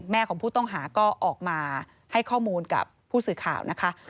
ของผู้ต้องหาก็ออกมาให้ข้อมูลกับผู้สื่อข่าวนะคะ